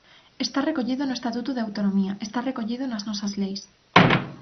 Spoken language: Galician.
Está recollido no Estatuto de autonomía, está recollido nas nosas leis.